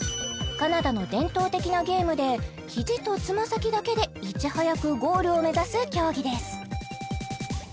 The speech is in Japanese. カナダの伝統的なゲームで肘とつま先だけでいち早くゴールを目指す競技です